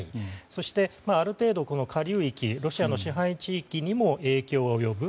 そして、ある程度下流域ロシアの支配地域にも影響が及ぶ。